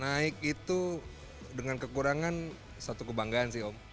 naik itu dengan kekurangan satu kebanggaan sih om